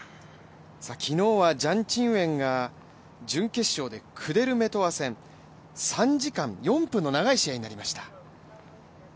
昨日はジャン・チンウェンが準決勝でクデルメトワ戦、３時間４分の長い試合になりました。